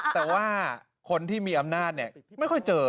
แต่ว่าคนที่มีอำนาจไม่ค่อยเจอ